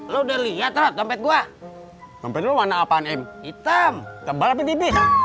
lo udah lihat rod dompet gua dompet lu warna apaan im hitam tebal tapi tipis